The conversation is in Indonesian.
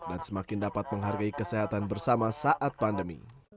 dan semakin dapat menghargai kesehatan bersama saat pandemi